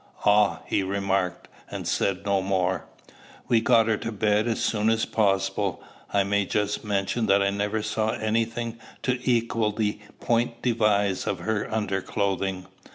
"Ah!" he remarked, and said no more. We got her to bed as soon as possible. I may just mention that I never saw any thing to equal the point devise of her underclothing.